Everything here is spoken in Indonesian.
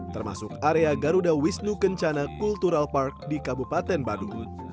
termasuk area garuda wisnu kencana cultural park di kabupaten badut